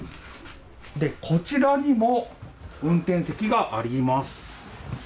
こちらにも運転席があります。